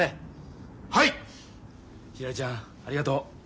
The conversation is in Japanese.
ひらりちゃんありがとう。